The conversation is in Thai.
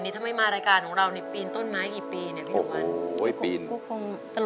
๔๐๐๐๐ถ้าไม่มารายการของเรานี่ปีนต้นไม้กี่ปีเนี่ยพี่หนุวัล